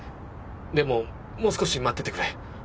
でももう少し待っててくれ。